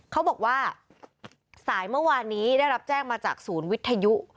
เขาบอกว่าสายเมื่อวานนี้ได้รับแจ้งมาจากศูนย์วิทยุ